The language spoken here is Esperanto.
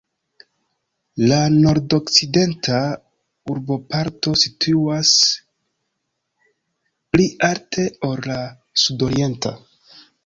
La nordokcidenta urboparto situas pli alte ol la sudorienta.